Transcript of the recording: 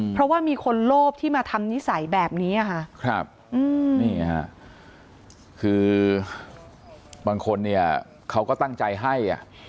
เพราะว่ามีคนโลภที่มาทำนิสัยแบบนี้ค่ะนี่ฮะคือบางคนเนี่ยเขาก็ตั้งใจให้อ่ะ